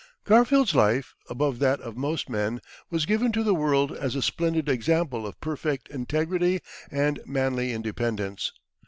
Garfield's life, above that of most men, was given to the world as a splendid example of perfect integrity and manly independence.